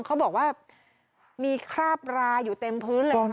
เขาบอกว่ามีคราบราอยู่เต็มพื้นเลย